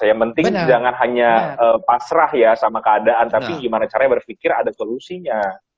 yang penting jangan hanya pasrah ya sama keadaan tapi gimana caranya berpikir ada solusinya